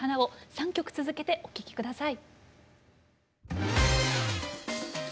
３曲続けてお聴き下さい。